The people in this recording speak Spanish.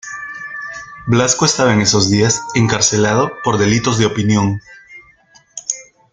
Blasco estaba en esos días encarcelado por delitos de opinión.